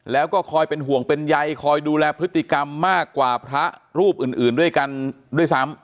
แล้วก็คอยเป็นห่วงเป็นใยคอยดูแลพฤติกรรมมากกว่าพระรูปอื่นด้วยกันด้วยซ้ำ